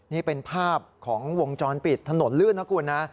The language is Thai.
นี่เป็นภาพของวงจรปิดถนนลื่นนะคุณนะ